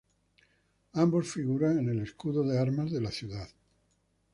Ambos figuran en el escudo de armas de la ciudad.